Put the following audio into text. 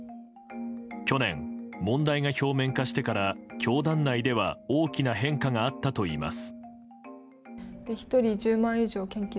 去年、問題が表面化してから教団内では大きな変化があったといいます。